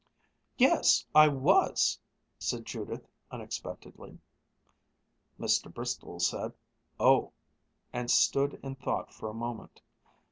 "Yes, I was," said Judith unexpectedly. Mr. Bristol said "Oh " and stood in thought for a moment.